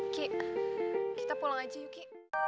ki kita pulang aja yuk ki